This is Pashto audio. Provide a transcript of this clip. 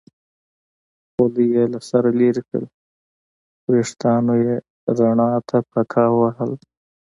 خولۍ یې له سره لرې کړل، وریښتانو یې رڼا ته پړکا وهل.